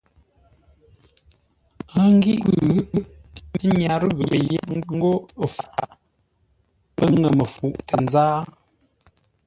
Ə́ ghíʼ kwʉ́, ə́ nyárə́ ghəpə́ yé ńgó faʼ pə́ ŋə́ məfuʼ tə nzáa.